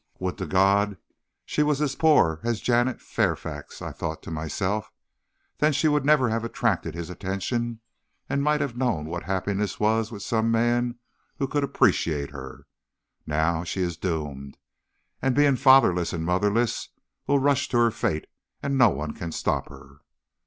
"'Would to God she was as poor as Janet Fairfax,' I thought to myself. 'Then she would never have attracted his attention, and might have known what happiness was with some man who could appreciate her. Now she is doomed, and being fatherless and motherless, will rush on to her fate, and no one can stop her.'